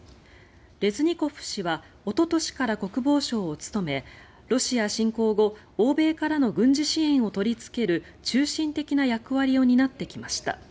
レズニコフ氏はおととしから国防相を務めロシア侵攻後欧米からの軍事支援を取りつける中心的な役割を担ってきました。